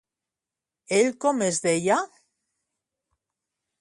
Ell com es deia?